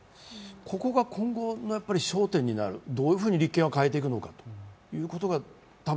ここが今後の焦点になるどういうふうに立憲は変えていくのかということが。